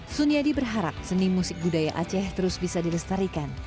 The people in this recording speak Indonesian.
suniadi berharap seni musik budaya aceh terus bisa dilestarikan